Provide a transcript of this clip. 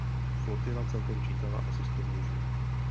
Flotila celkem čítala asi sto mužů.